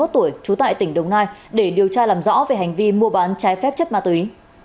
ba mươi tuổi trú tại tỉnh đồng nai để điều tra làm rõ về hành vi mua bán trái phép chất ma túy